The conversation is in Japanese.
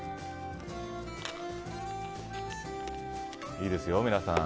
いいですよ、皆さん。